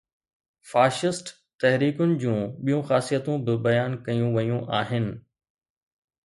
Fascist تحريڪن جون ٻيون خاصيتون به بيان ڪيون ويون آهن.